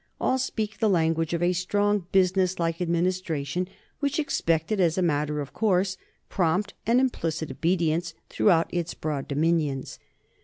All speak the language of a strong, businesslike administration which expected as a matter of course prompt and implicit obedience throughout its broad dominions.